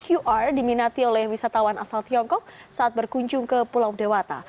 qr diminati oleh wisatawan asal tiongkok saat berkunjung ke pulau dewata